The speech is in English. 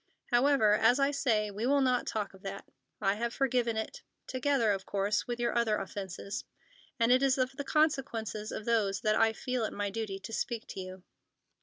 However, as I say, we will not talk of that. I have forgiven it, together, of course, with your other offences. And it is of the consequences of those that I feel it my duty to speak to you."